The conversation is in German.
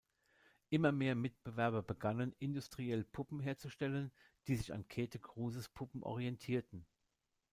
Immer mehr Mitbewerber begannen, industriell Puppen herzustellen, die sich an Käthe Kruses Puppen orientierten.